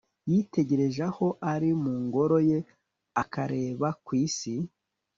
yitegereje aho ari mu ngoro ye, akareba ku isi